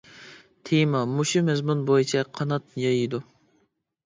تېما مۇشۇ مەزمۇن بويىچە قانات يايىدۇ.